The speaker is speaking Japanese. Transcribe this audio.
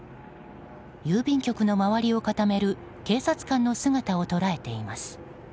郵便局の周りを固める警察官の姿を捉えています。